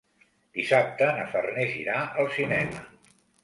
Dissabte na Farners irà al cinema.